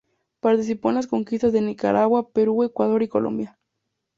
Participó en las conquistas de Nicaragua, Perú, Ecuador y Colombia.